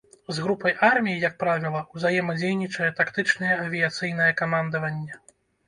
З групай армій, як правіла, узаемадзейнічае тактычнае авіяцыйнае камандаванне.